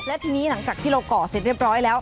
และทีนี้หลังจากที่เราก่อเสร็จเรียบร้อยแล้ว